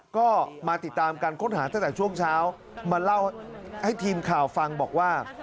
ก็มาติดตามการค้นหาตั้งแต่ช่วงเช้ามาเล่าให้ทีมข่าวฟังบอกว่า